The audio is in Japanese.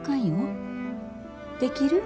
できる？